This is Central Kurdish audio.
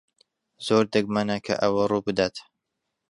زۆر دەگمەنە کە ئەوە ڕوو بدات.